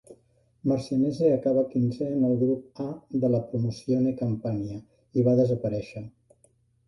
Marcianise acaba quinzè en el grup A de la Promozione Campania i va desaparèixer.